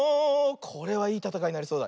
これはいいたたかいになりそうだ。